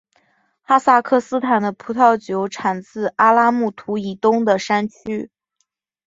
哈萨克斯坦的葡萄酒产自阿拉木图以东的山区。